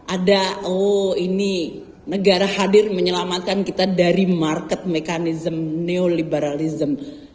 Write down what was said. ada oh ini negara hadir menyelamatkan kita dari market mechanism neoliberalism